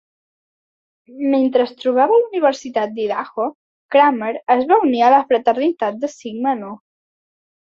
Mentre es trobava a la Universitat d'Idaho, Kramer es va unir a la fraternitat de Sigma Nu.